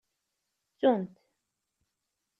Ttunt.